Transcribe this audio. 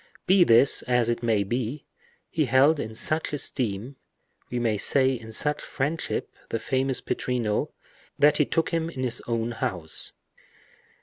Be this as it may, he held in such esteem, we may say in such friendship, the famous Pittrino, that he took him in his own house.